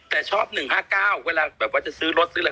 แต่ชอบ๑๕๙เวลาแบบว่าจะซื้อรถซื้ออะไร